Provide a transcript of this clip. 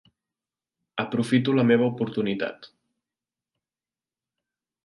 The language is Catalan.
Aprofito la meva oportunitat.